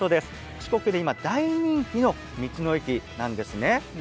四国で今大人気の道の駅なんですね。